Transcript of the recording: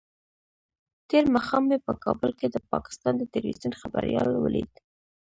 تېر ماښام مې په کابل کې د پاکستان د ټلویزیون خبریال ولید.